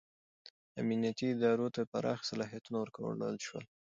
امنیتي ادارو ته پراخ صلاحیتونه ورکړل شول.